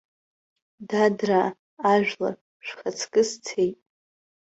Дадраа, ажәлар, шәхаҵкы сцеит.